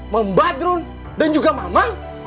membadrun dan juga mama